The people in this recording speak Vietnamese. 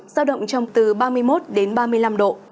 giao động trong từ ba mươi một đến ba mươi năm độ